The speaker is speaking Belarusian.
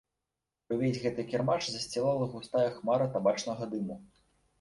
І ўвесь гэты кірмаш засцілала густая хмара табачнага дыму.